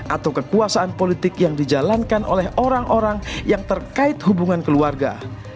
atau kekuasaan politik yang dijalankan oleh orang orang yang terkait hubungan keluarga